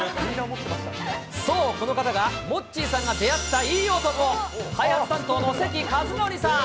そう、この方がモッチーさんが出会ったいい男、開発担当の関和典さん。